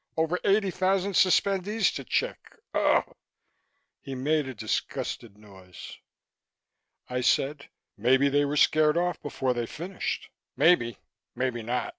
Over eighty thousand suspendees to check." He made a disgusted noise. I said, "Maybe they were scared off before they finished." "Maybe. Maybe not.